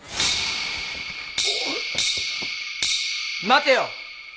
待てよ！